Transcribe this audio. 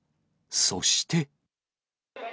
そして。